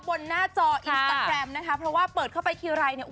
หน้าจออินสตาแกรมนะคะเพราะว่าเปิดเข้าไปทีไรเนี่ย